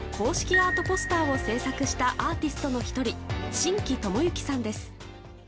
アートポスターを制作したアーティストの１人新木友行さんです。